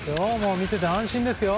見てて安心ですよ。